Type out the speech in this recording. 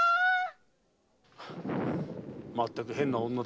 まったく変な女だ。